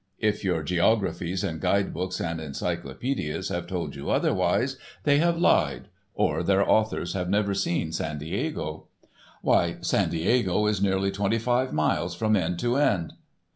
If your geographies and guide books and encyclopædias have told you otherwise, they have lied, or their authors have never seen San Diego. Why, San Diego is nearly twenty five miles from end to end!